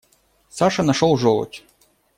Саша нашел желудь.